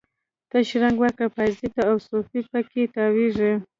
ته شرنګ ورکړي پایزیب ته، او صوفي په کې تاویږي